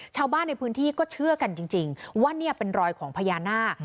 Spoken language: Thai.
ชาวบ้านในพื้นที่ก็เชื่อกันจริงว่านี่เป็นรอยของพญานาค